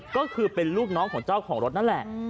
ก็คือเป็นลูกน้องของเจ้าของรถนั่นแหละ